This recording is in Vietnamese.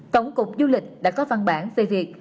tổng cục du lịch đã có văn bản về việc